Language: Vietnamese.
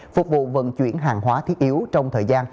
phục vụ vận chuyển hàng hóa thiết yếu trong thời gian